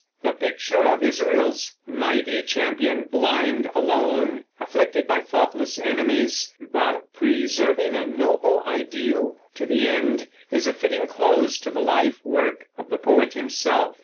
The picture of Israel's mighty champion, blind, alone, afflicted by thoughtless enemies but preserving a noble ideal to the end, is a fitting close to the life work of the poet himself.